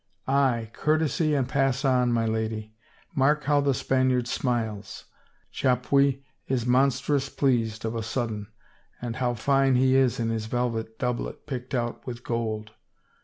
" Aye, courtesy and pass on, my lady. Mark how the Spaniard smiles! Chapuis is monstrous pleased of a sudden. And how fine he is in his velvet doublet picked out with gold.